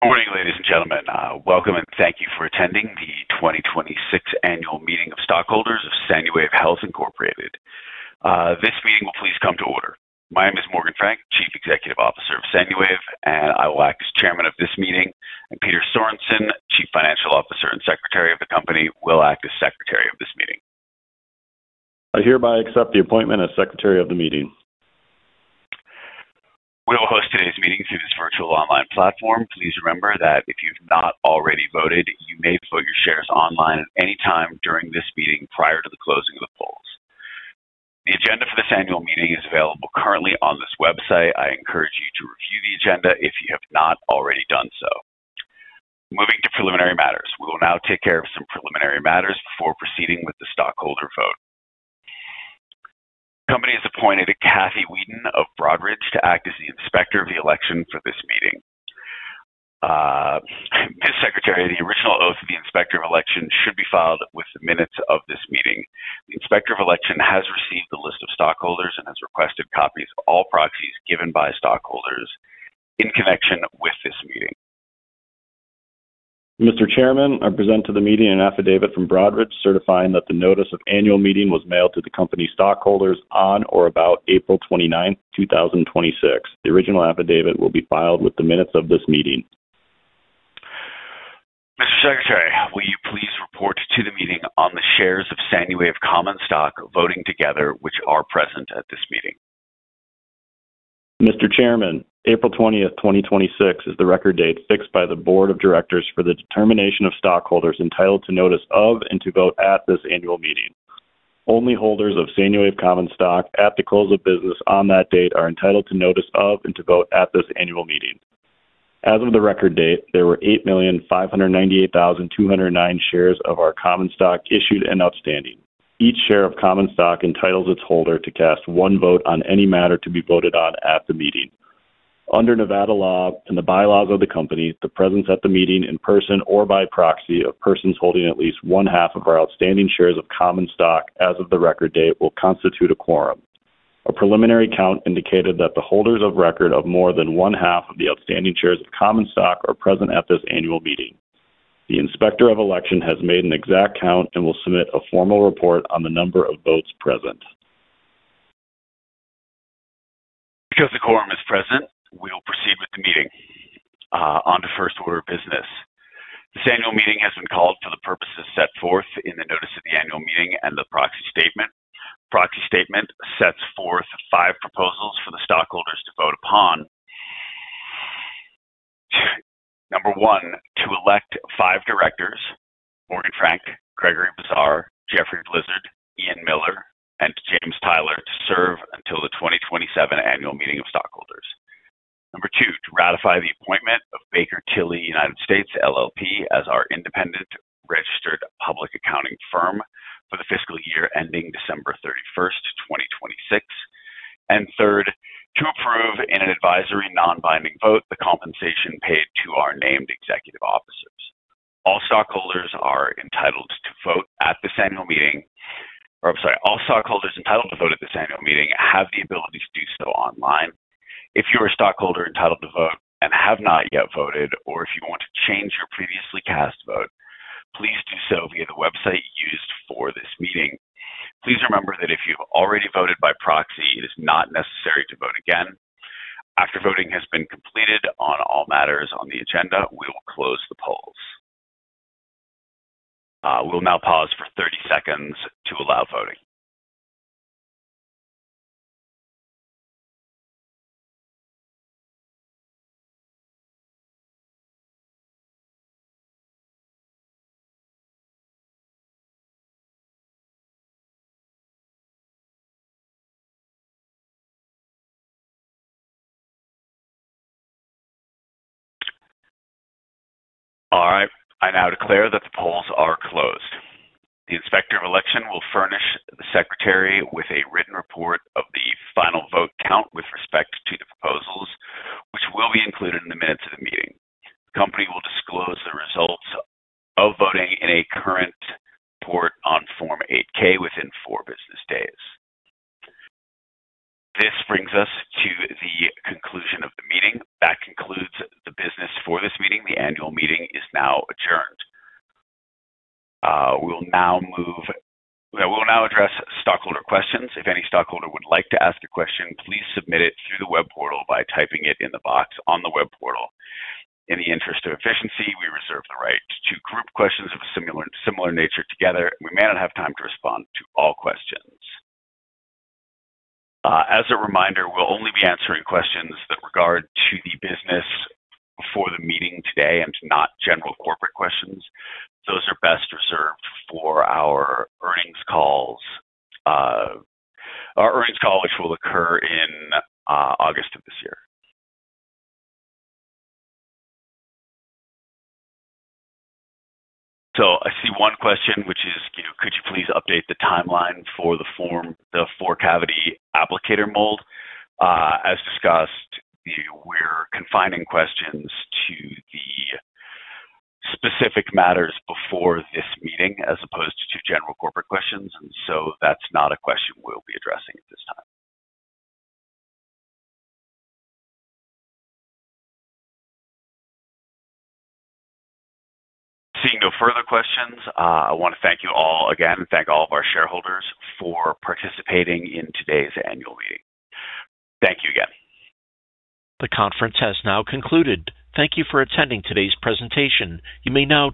Good morning, ladies and gentlemen. Welcome, and thank you for attending the 2026 Annual Meeting of Stockholders of Sanuwave Health Incorporated. This meeting will please come to order. My name is Morgan Frank, Chief Executive Officer of Sanuwave, and I will act as chairman of this meeting. Peter Sorensen, Chief Financial Officer and secretary of the company, will act as secretary of this meeting. I hereby accept the appointment as secretary of the meeting. We will host today's meeting through this virtual online platform. Please remember that if you've not already voted, you may vote your shares online at any time during this meeting prior to the closing of the polls. The agenda for this annual meeting is available currently on this website. I encourage you to review the agenda if you have not already done so. Moving to preliminary matters. We will now take care of some preliminary matters before proceeding with the stockholder vote. The company has appointed Kathy Weeden of Broadridge to act as the inspector of the election for this meeting. Mr. Secretary, the original oath of the inspector of election should be filed with the minutes of this meeting. The inspector of election has received the list of stockholders and has requested copies of all proxies given by stockholders in connection with this meeting. Mr. Chairman, I present to the meeting an affidavit from Broadridge certifying that the notice of annual meeting was mailed to the company stockholders on or about April 29th, 2026. The original affidavit will be filed with the minutes of this meeting. Mr. Secretary, will you please report to the meeting on the shares of Sanuwave common stock voting together which are present at this meeting. Mr. Chairman, April 20th, 2026, is the record date fixed by the board of directors for the determination of stockholders entitled to notice of and to vote at this annual meeting. Only holders of Sanuwave common stock at the close of business on that date are entitled to notice of and to vote at this annual meeting. As of the record date, there were 8,598,209 shares of our common stock issued and outstanding. Each share of common stock entitles its holder to cast one vote on any matter to be voted on at the meeting. Under Nevada law and the bylaws of the company, the presence at the meeting in person or by proxy of persons holding at least one half of our outstanding shares of common stock as of the record date will constitute a quorum. A preliminary count indicated that the holders of record of more than one half of the outstanding shares of common stock are present at this annual meeting. The inspector of election has made an exact count and will submit a formal report on the number of votes present. Because the quorum is present, we will proceed with the meeting. On to first order of business. This annual meeting has been called for the purposes set forth in the notice of the annual meeting and the proxy statement. Proxy statement sets forth five proposals for the stockholders to vote upon. Number one, to elect five directors, Morgan Frank, Gregory Bazar, Jeffrey Blizard, Ian Miller, and James Tyler, to serve until the 2027 annual meeting of stockholders. Number two, to ratify the appointment of Baker Tilly US, LLP as our independent registered public accounting firm for the fiscal year ending December 31st, 2026. Third, to approve in an advisory non-binding vote the compensation paid to our named executive officers. All stockholders are entitled to vote at this annual meeting. I'm sorry, all stockholders entitled to vote at this annual meeting have the ability to do so online. If you're a stockholder entitled to vote and have not yet voted, or if you want to change your previously cast vote, please do so via the website used for this meeting. Please remember that if you've already voted by proxy, it is not necessary to vote again. After voting has been completed on all matters on the agenda, we will close the polls. We will now pause for 30 seconds to allow voting. All right. I now declare that the polls are closed. The inspector of election will furnish the secretary with a written report of the final vote count with respect to the proposals, which will be included in the minutes of the meeting. The company will disclose the results of voting in a current report on Form 8-K within four business days. This brings us to the conclusion of the meeting. That concludes the business for this meeting. The annual meeting is now adjourned. We will now address stockholder questions. If any stockholder would like to ask a question, please submit it through the web portal by typing it in the box on the web portal. In the interest of efficiency, we reserve the right to group questions of a similar nature together, and we may not have time to respond to all questions. As a reminder, we'll only be answering questions that regard to the business before the meeting today and not general corporate questions. Those are best reserved for our earnings calls, which will occur in August of this year. I see one question, which is, could you please update the timeline for the four-cavity applicator mold? As discussed, we're confining questions to the specific matters before this meeting as opposed to general corporate questions. That's not a question we'll be addressing at this time. Seeing no further questions, I want to thank you all again and thank all of our shareholders for participating in today's annual meeting. Thank you again. The conference has now concluded. Thank you for attending today's presentation. You may now dis